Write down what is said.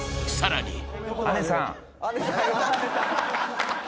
［さらに］